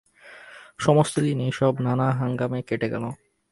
সমস্ত দিন এই-সব নানা হাঙ্গামে কেটে গেল।